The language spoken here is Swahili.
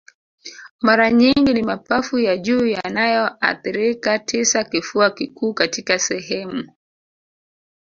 Mara nyingi ni mapafu ya juu yanayoathirika tisa Kifua kikuu katika sehemu